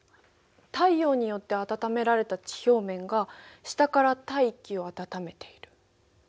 太陽によって暖められた地表面が下から大気を暖めている。